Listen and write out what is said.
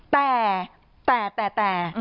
แต่แต่แต่แต่